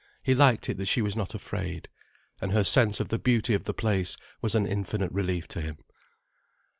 He liked it that she was not afraid. And her sense of the beauty of the place was an infinite relief to him.